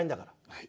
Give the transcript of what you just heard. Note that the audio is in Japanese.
はい。